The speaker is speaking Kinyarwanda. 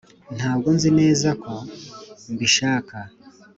ntabwo nzi neza ko mbishaka